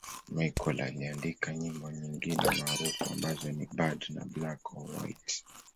Michael aliandika nyimbo nyingine maarufu ambazo ni 'Bad' na 'Black or White'.